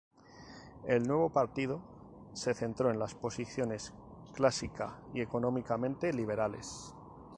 El nuevo partido se centró en las posiciones clásica y económicamente liberales.